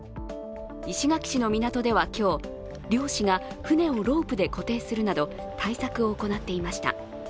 石垣市の港では今日、漁師が船をロープで固定するなど対策を行っていました。